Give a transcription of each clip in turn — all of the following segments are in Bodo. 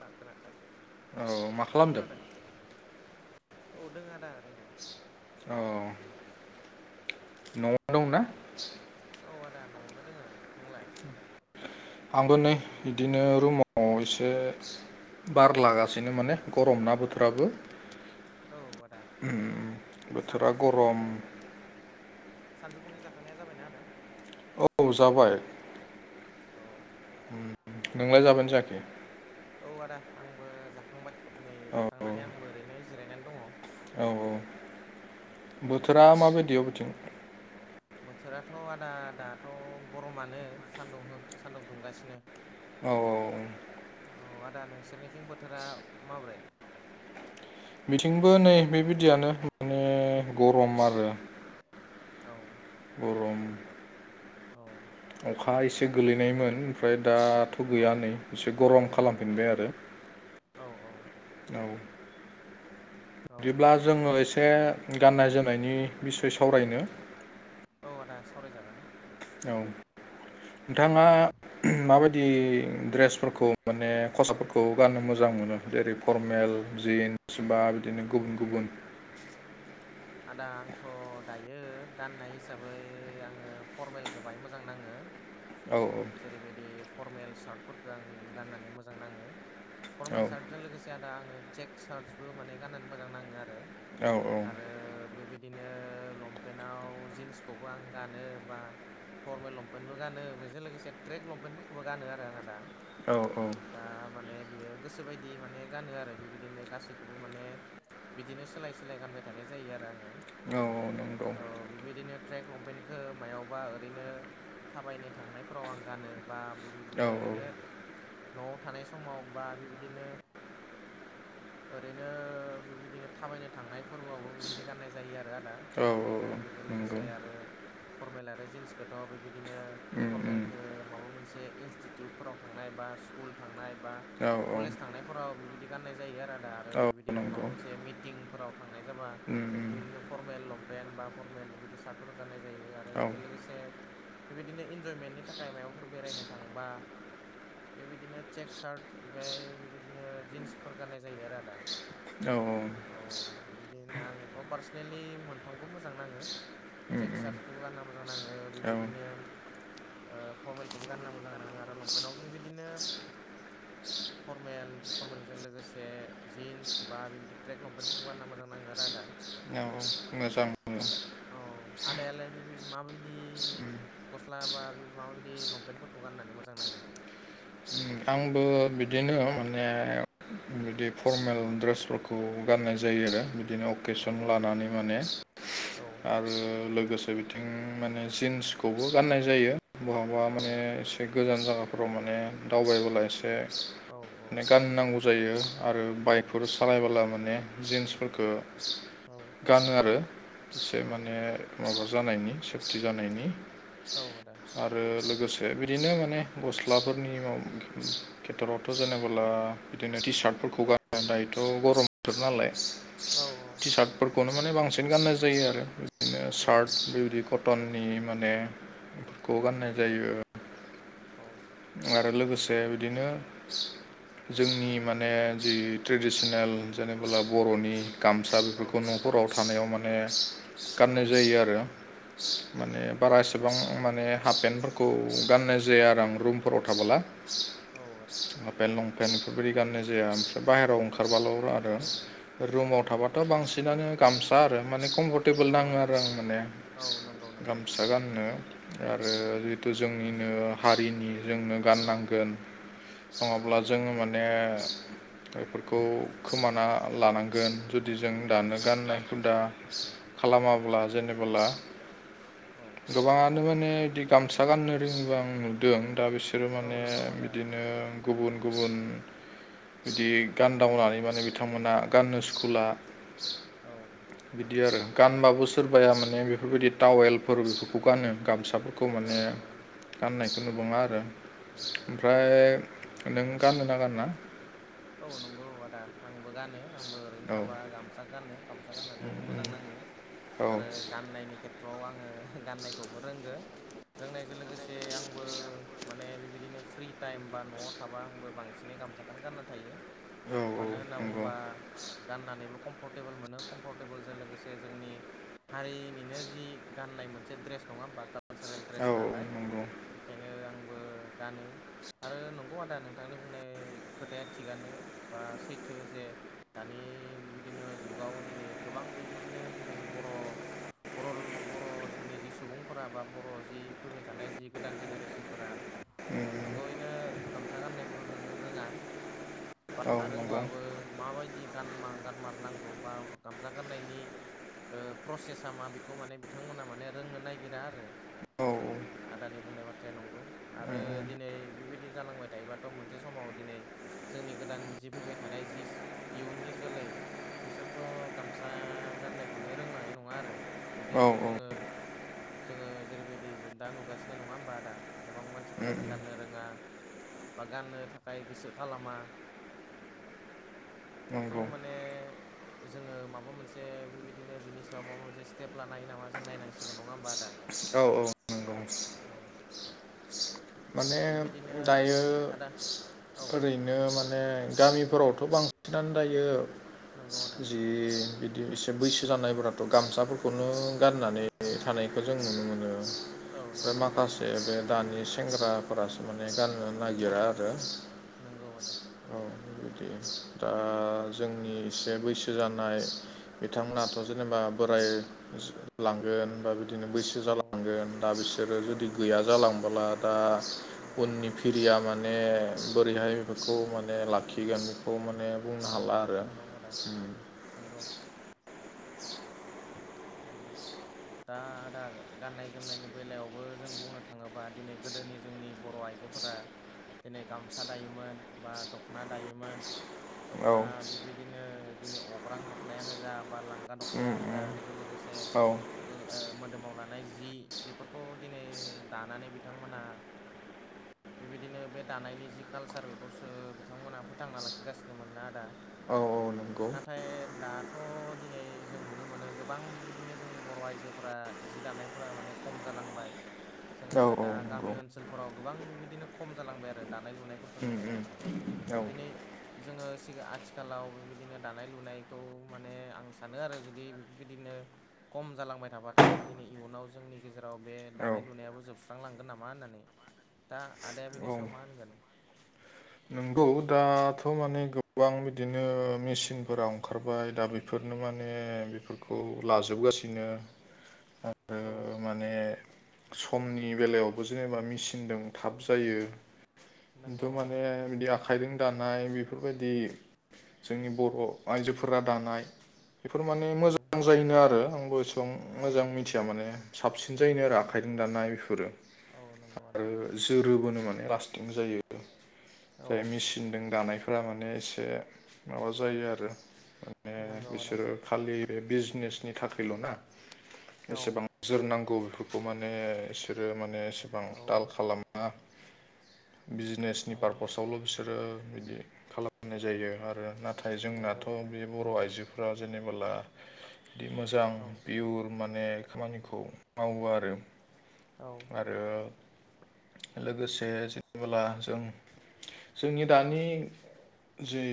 खोनादों औ मा औ खालामदों खोनादों औ दङ आदा ओरैनो औ न'आव दंनाा औ आदा न'आवनो दोङो नोंलाय आंबो नै बिदिनो रुमाव एसे बारलागासिनो माने गरम ना बोथोराबो औ आदा बोथोरा गरम सानजौफुंनि जाखांनाया जाबायना आदा औ जाबाय औ नोंलाय जाबायानो जायाखै औ आदा आंबो जाखांबाय नै औ जाखांनानै आंबो ओरैनो जिरायनानै दङ औ औ बोथोरा माबायदि अबेथिं बोथोराथ' आदा दाथ' गरमानो सानदुं हो सान्दुं दुंगासिनो औ औ औ आदा नोंसोरनिथिं बोथोरा माबोरै बिथिंबो नै बेबायदियानो माने गरम आरो औ गरम औ अखा एसे गोलैनायमोन ओमफ्राय दाथ' औ गैया नै एसे गरम खालामफिनबाय आरो औ औ औ औ बिदिब्ला जोङो एसे गाननाय जोमनायनि बिसय सावरायनो औ आदा सावरायजागोन औ नोंथाङा औ माबायदि ड्रेसफोरखौ माने खसाबफोरखौ गाननो मोजां मोनो जेरै फरमेल जिन्स बा बिदिनो गुबुन औ गुबुन आदा आंथ' दायो गाननाय हिसाबै आङो फरमेलखौ बाहाय मोजां नाङो औ औ जेरैबायदि फरमेल सार्टफोरखौ आं गाननानै मोजां नाङो औ फरमेल सार्टजों लोगोसे आदा आङो चेक सार्टसबो माने गाननानै मोजां नाङो आरो औ आरो बेबायदि बिदिनो लंपेन्टाव जिन्सखौबो आं गानो बा फरमेल लंपेन्टबो गानो बेजों लोगोसे ट्रेक लंपेन्टफोरखौबो गानो आरो आं आदा औ औ दा माने बियो गोसो बायदि माने गानो आरो बेबायदिनो गासैखौबो माने बिदिनो सोलाय सोलाय गानबाय थानाय जायो आरो आङो औ औ नंगौ औ बेबायदिनो ट्रेक लंपेन्टखौ मायावबा ओरैनो थाबायनो थांनायफोराव आं गानो बा औ बिदिनो औ ओरैनो न'आव थानाय समाव बा बेबायदिनो ओरैनो बिबायदिनो थाबायनो थांनाय फोरबोआवबो बिबायदि गाननाय जायो आरो आदा औ ट्रेक [unintelligible] औ बेजों लोगोसे नंगौ आरो फरमेल आरो जिन्सखौथ' बेबायदिनो उम उम फरमेलखौ माबा मोनसे इनष्टिटिउटफोराव‌ थांनाय बा स्कूल थांनाय बा‌‌ औ औ कलेज‌ थांनाय फोराव बिबायदि गाननाय जायो आरो आदा आरो औ बेबायदिनो माबा नंगौ मोनसे मिटिंफोराव थांनाय जाबा उम उम बेबायदिनो फरमेल लंपेन्ट बा फरमेल बेबायदि सार्टफोर गाननाय जायो आरो औ बेजों लोगोसे बेबायदिनो इन्जयमेन्टनि थाखाय मायबाफोर बेरायनो थांबा बेबायदिनो चेक सार्ट ओमफ्राय बेबायदिनो जिन्सफोर गाननाय जायो आरो आदा औ औ। औ बिदिनो आंथ' पार्सनेलि मोनथामखौ मोजां नाङो। चेक चार्टखौ गानना मोजां नाङो बेबायदिनो। ओ फरमेलखौबो गानना मोजां नाङो आरो लंपेन्टावबो बेबायदिनो। Formal formal. जों लोगोसे जिन्स बा बेबायदि ट्रेक लंपेन्टफोरखौ गानना मोजां नाङो औ आरो आदा। औ मोजां। औ आदायालाय बेबि माबायदि। गस्ला बा बे माबाबायदि लंपेन्टफोरखौ गाननानै मोजां नाङो। आंबो। बिदिनो माने। बिदि फरमेल ड्रेसफोरखौ गाननाय जायो आरो बिदिनो औ अकेसन आदा लानानै माने। औ आरो लोगोसे बिथिं माने जिन्सखौबो गाननाय जायो। बहाबा औ माने एसे गोजान जायगाफोराव माने दावबायबोला एसे। औ गाननांगौ जायो आरो औ बाइकफोर। सालायबोला माने जिन्सफोरखौ औ गानो आरो। एसे औ माने माबा जानायनि सेफटि जानायनि। औ आदा ओ लोगोसे बिदिनो माने गस्लाफोरनि केेटरावथ' जेनेबोला बिदिनो टि सार्टफोरखौ गानो दायोथ' गरम बोथोर नालाय औ औ टि सार्टफोरखौनो माने बांसिन गाननाय जायो आरो बिदिनो सार्ट बेबायदि कथ कटननि मानेफोरखौ गाननाय जायो। औ आरो लोगोसे बिदिनो। जोंनि माने जि ट्रेडिसनेल जेनेबोला बर'नि। गामसा बेफोरखौ औ आदा न'फोराव थानायाव माने औ गाननाय जायो आरो। माने बारा एसेबां माने हाफ पेन्टफोरखौ गाननाय जाया आरो आं रुम‌। फोराव थाबोला। औ आदा बे लंपेन्ट बेफोरबायदि गाननाय जाया ओमफ्राय बाहेरायाव ओंखारबाल' औ आरो रुमाव थाबाथ' बांसिनानो गामसा आरो माने कमफर्टटेबोल औ नाङो आदा आरो आं माने औ नंगौ। नंगौ गामसा गाननो आरो जितु जोंनिनो हारिनि जोंनो औ गाननांगोन नंगौ नङाब्ला आदा जोङो नंगौ माने बेफोरखौ नंगौ खोमाना लानांगोन जु जुदि जों दानो जों गाननाय दानो हुदा खालामाब्ला जेनेबोला औ गोबाङानो माने बिदि गामसा गाननो रोङैबां आं नुदों दा बिसो बिसोरो औ माने नंगौ आदा बिदिनो गुबुन-गुबुन बिदि गानदावनानै माने बिथांमोना गाननो सुखुला। औ बिदि आरो गानबाबो सोरबाया माने बेफोरबायदि टावेलफोर बेफोरखौ गानो गामसाफोर खौ औ माने गाननायखौ नुबांङा आरो ओमफ्राय नों गाननो ना गाना। औ नंगौ आदा आंबो गानो। आंबो ओरैनो औ थाबा गामसा गानो गामसा गाननानै आंबो मोजां नाङो औ आरो गाननायनि खे- [unintelligible] फाव आङो गाननायखौबो रोंगो रोंनायजों लोगोसे आंबो माने बेबायदिनो फ्रि टाइम बा न'आव थाबा आंबो बांस दिनै गामसाखौनो गाननानै- थायो औ औ मानो होनना नंगौ बुंङोबा गाननानैबो कम्फर्टे टेबोल मोनो कम्फर्टे टेबोलजों लोगोसे जोंनि हारिनिनो जि गाननाय मोनसे ड्रेस नङा होमबा! कालसारेल ड्रेस औ औ नालाय- नंगौ बेखायनो आंबो गानो! आरो नंगौ आदा नोंथांनि बुंनाय खोथाया थिगानो बा सैथो जे दानि बेबायदिनो जुगाव दिनै गोबां बेबायदिनो दिनै बर' बरल बर' जोंनि जि सुबुंफोरा बा बर' जि फैबाय थानाय जि गोदान जेनेरेसनफोरा उम, उम, नंगौयैनो गामसा गाननायफोर र [unintelligible] रोङा! औ बा नंगौ रोंबाबो माबायदि गानमा गानमारनांगौ बा गामसा गाननायनि ओ प्रसेसा मा बेखौ माने बिथांमोना माने रोंनो नागिरा आरो! औ उम, आदानि बुंनाय बाथ्राया नंगौ आरो उम, दिनै बेबायदि जालांबाय थायोबाथ' मोनसे समाव दिनै जोंनि गोदान जि फैबाय थानाय जि इयुननि जोलै बिसोरथ' गामसा गाननायखौनो रोंलांनाय नङा आरो। जुदि औ उम, जोङो जोङो जेरैबायदि जो दा नुगासिनो नङा होमबा आदा गोबां मानसिफोरानो गाननो रोङा! बा गाननो थाखाय गोसो खालाम- मा बेखौ नंगौ माने जोङो माबा मोनसे बेबायदिनो बिनि सायाव माबा मोनसे स्टेप लानो हायो नामा जों नायनांसिगोन नङा होमबा आदा औ औ। नंगौ औ। माने बेबायदिनो दायो आरो आदा औ ओरै नो माने गामिफोरावथ' बांसिनानो दायो नंगौ आदा जि बिदि एसे बैसो जानायफोराथ' गामसाफोरखौनो गाननानै थानायखौ जों नुनो मोनो। औ ओ नंगौ आदा माखासे बे दानि सेंग्राफ्रासो माने गाननो नागिरा आरो। नंगौ आदा। औ बिदि दा जोंनि एसे बैसो जानाय बिथांमोनाथ' जेनेबा बोराय लांगोन बा बिदिनो बैसो औ जालांगोन दा बिसोरो औ जुदि गैया जालांबाला आ औ उननि फिरिया माने बोरैहाय बेखौ माने लाखिगोन बेखौ माने बुंनो औ हाला आरो नंगौ आदा उम। नंगौ। औ दा आदा गाननाय जोमनायनि बेलायावबो जों बुंनो थाङोबा दिनै गोदोनि जोंनि बर' आइजो फोरा दिनै गामसा दायोमोन बा दख'ना दायोमोन। औ दख'ना बिबायदिनो दिनै अग्रां दख'नायानो जा बा लांगा उम दखनायानो जा उम बेजों लोगो से औ थेल ओ मोदोमाव लानाय जि बेफोरखौ दिनै दानानै बिथांमोना [inaudible] बेबायदिनो बे दानायनि जि कालसार बेखौसो बिथांमोनहा फोथांना लाखिगासिनोमोन ना आदा। औ औ नंगौ नाथाय दाथ' दिनै जों नुनो मोनो गो गोबां बेबायदिनो जोंनि बर' आइजोफ्रा जि दानायफ्रा माने खम जालांबाय। जोङो औ औ दा नंगौ गामि ओनसोलफोराव गोबां बेबायदिनो खम जालांबाय आरो दानाय लुनायफोरखौ उम नुनाया। उम औ दिनै जोङो सि आथिखालाव बेबायदिनो दानाय लुनायखौ माने आं सानो आरो जुदि बिदिनो खम जालांबाय थाबाथाय दिनै इयुनाव जोंनि गेजेराव बे औ दानाय लुनायाबो जोबस्रांलांगोन नामा होननानै दा आदाया बिनि सायाव मा होनगोन? नोंगौ दा दाथ' माने गोबां बिदिनो मेसिनफोरा ओंखारबाय दा बेफोरनो माने औ बेखौ‌ लाजोबगासिनो। औ। आरो माने समनि बेलायावबो जेनेबा मेचिनजों थाब जायो। नंगौ खिन्थु आदा माने बिदि आखाइजों दानाय बेफोरबायदि जोंनि बर' आइजोफोरा दानाय बेफोर माने औ मोजां जायोनो आरो आंबो एसेबां औ मोजां मिथिया माने साबसिन जायोनो आरो औ आखाइजों दानाय बेफोरो। औ नंगौ आदा आरो जोरोबोनो माने लास्टिं जायो औ जाय मिसि नों दानायफोरा माने एसे माबा जायो आरो माने नंगौ आदा बिसोरो खालि बे बिजिनेसनि थाखायल'ना औ एसेबां जोरनांगौ बेफोरखौ माने बिसोरो माने एसेबां औ ताल खालामा। बिजिनेसनि औ पारपसावल' बिसोरो बिदि खालाम नाय जायो आरो नाथाय नंगौ जोंनाथ' आदा बे बर' नंगौ आइजोफ्रा जेनेबोला बिदि मोजां औ बियुर माने खामानिखौ मावो आरो औ ओ लोगोसे जेनेबाला जोंनि दानि जि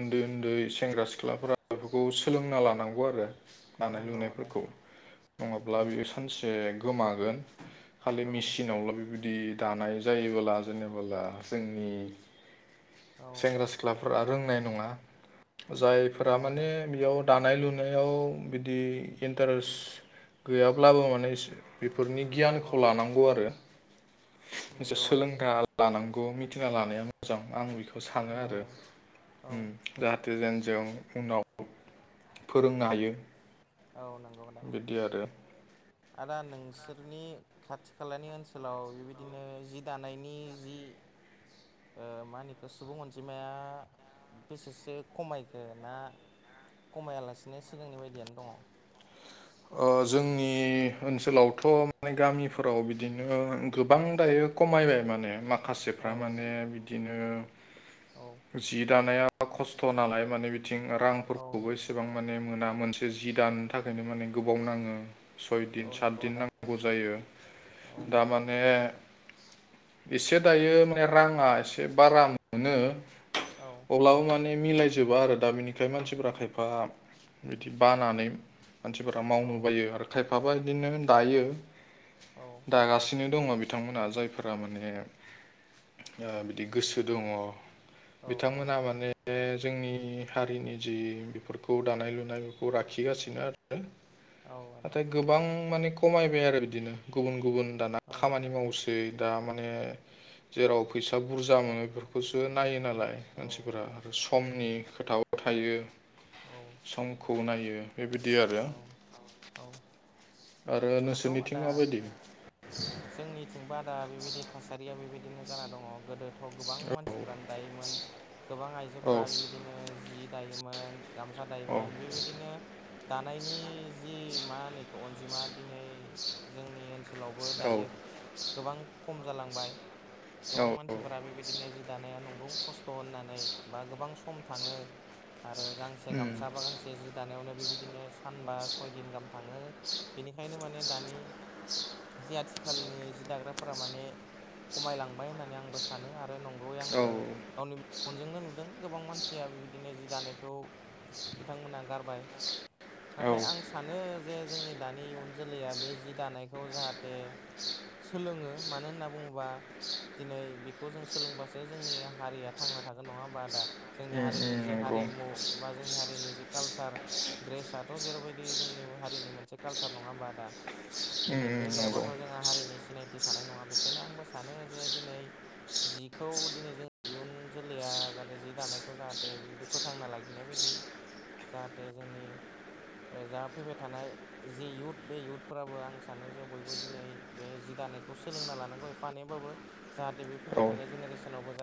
उन्दै उन्दै सेंग्रा सिख्लाफोरा बेफोरखौ सोलोंना लानांगौ आरो दानाय नंगौ आदा लुनायफोरखौ नङाब्ला नंगौ बियो सानसे गोमागोन खालि औ मेचिनावल' बेबायदि दानाय जायोबोला जेनेबोला जोंनि सेंग्रा सिख्लाफोरा रोंनाय नङा औ जायफोरा आदा माने बेयाव दानाय लुनायाव बिदि इन्टारेस्ट गैयाब्लाबो माने दा इसे बेफोरनि गियानखौ औ लानांगौ आरो इसे नंगौ आदा सोलोंथाय ला लानांगौ मिथिना लानाया मोजां आं बेखौ सानो आरो नंगौ औ उम जाहाथे जेन जों उनाव फोरोंनो हायो औ नंगौ नो बिदि आरो आदा खाथि नोंसोरनि खाथि खालानि ओनसोलाव ओनसोलाव बेबायदिनो दानायनि जि दानायनि मा जि होनो ओ मा होनो इखो सुबुं अनजिमाया बेसेसो खमायगोन ना खमायदों ना खमायालासिनो सिगांनि खमायलांदों बायदियानो दङ? ओ जोंनि ओनसोलावथ' माय गामिफोराव बिदिनो गोबां दायो खमायबाय माने माखासे औ थारमाने बिदिनो औ। जि दानाया खस्थ' नालाय माने बिथिं औ रांफोरखौबो एसे एथबां माने मोना मोनसे जि दानो थाखायनो माने गोबाव नाङो औ सयदिन नंगौ सातदिन आदा नांगौ जायो औ दा बा माने एसे दायो माने राङा एसे बारा मोनो औ। अब्लानानै मिलाय जोबा आरो दा बिनिखाय मानसिफोरा खायफा बिदि बानानै मानसिफोरा मावनो बायो आरो खायफाबा बिदिनो दायो औ। दागासिनो दङ बिथांमोनहा जायफोरा माने ओ बिदि गोसो दङ औ बिथांमोना माने बे जोंनि हारिनि जि बेफोरखौ दानाय लुनाय बेफोरखौ लाखिगासिनो आरो औ आदा नाथाय गोबां माने खमायबाय आरो बिदिनो गुबुन गुबुन दाना औ खामानि मावसो दा माने जेराव फैसा बुरजा मोनो बेफोरखौसो नायो नालाय मानसिफोरा आदा आरो समनि खोथाबो थायो। औ समखौ नायो। बेबायदि आरो औ औ आरो नंगौ नोंसोरनिथिं आदा माबायदि? जोंनिथिंबो आदा बेबायदि थासारिया बेबायदिनो जाना दङ गोदो गथ' गोबां मानसिफ्रानो दायोमोन गोबां औ आइजोफोरा बेबायदिनो जि दायोमोन। गामसा औ दायोमोन बेबायदिनो दानायनि जि मा होनोखौ अनजिमा दिनै जोंनि ओनसोलाव औ दायो गोबां खम जालांबाय गोबां औ मानसिफोरा बेबायदिनो जि दानाया नोंगौ खस्थ' होननानै बा गोबां सम थाङो आरो गांसे उम गामसा बा गांसे जि जानायावनो बेबायदिनो सानबा सय दिन गाहाम थाङो बेनिखायनो माने दानि जि आथिखालनि जि दाग्राफोरा माने खमायलांबाय होननानै आंबो सानो आरो नंगौयै औ आंबो गावनि [unintelligible] नजोंनो नुदों गोबां मानसिया बेबायदिनो जि दानायखौ बिथांमोना गारबाय औ नाथाय उम आं सानो जे जोंनि दानि इयुन जोलैया बे जि दानायखौ जाहे जाहाथे सोलोङो मानो होनना बुङोब्ला दिनै बेखौ जों सोलोंबासो जोंनि हारिया थांना थागोन नङा होमबा आदा। जोंनि उम हारिनि जि नंगौ हारिमु बा जोंनि हारिनि जि कालसार ड्रेसथ' जेरैबायदि जोंनि हारिनि मोनसे कालसार नङा आदा? दिनै ओम बे गैयाबाथ' जोंहा हारिनि सिनायथि थानाय नङा बेखायनो आंबो सानो जे दिनै जिखौ दिनै जों इयुन जोलैया जाहाथे जि दानायखौ जाहाथे बिदि फोथांना लाखिनाय बायदि जाहाथे जोंनि ओ जाहा फैबाय थानाय जि यउथ बे इयउथफोराबो आं सानो जों बयबो दिनै बे जि दानायखौ सोलोंना लानांगौ एफानयबाबो। जाहाथे बे फैबाय औ थानाय जेनेरेसनावबो जा